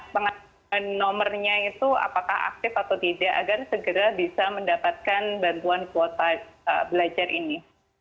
pengaturan nomornya itu apakah aktif atau tidak agar segera bisa mendapatkan bantuan kuota belajar ini